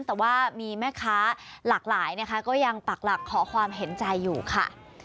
แต่ว่ามีแม่ค้าหลากหลายนะคะก็ยังปักหลักขอความเห็นใจอยู่ค่ะ